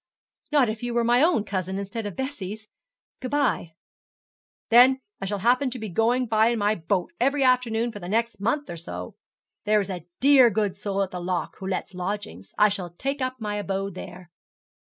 Not if you were my own cousin instead of Bessie's. Good bye.' 'Then I shall happen to be going by in my boat every afternoon for the next month or so. There is a dear good soul at the lock who lets lodgings. I shall take up my abode there.'